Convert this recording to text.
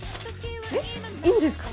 えっいいんですか？